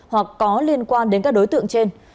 hoặc có liên quan đến các đối tượng trên